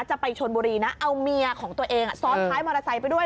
จะไปชนบุรีนะเอาเมียของตัวเองซ้อนท้ายมอเตอร์ไซค์ไปด้วย